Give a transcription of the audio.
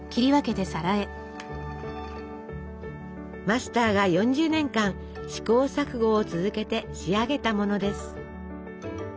マスターが４０年間試行錯誤を続けて仕上げたものです。